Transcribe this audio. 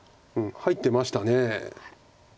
入ってました。